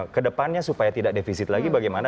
kedepannya supaya tidak defisit lagi bagaimana